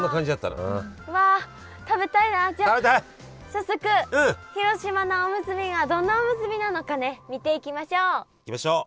早速広島菜おむすびがどんなおむすびなのかね見ていきましょう。いきましょう。